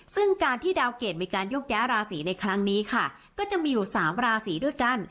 ซึ่งการที่ดาวเกรดมีการยกย้ายราศีในครั้งนี้ค่ะก็จะมีอยู่๓ราศีด้วยกัน